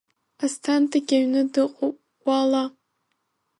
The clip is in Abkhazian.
Асҭандагьы аҩны дыҟоуп, уаала!